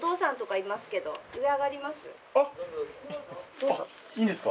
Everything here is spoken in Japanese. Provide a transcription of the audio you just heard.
いいんですか？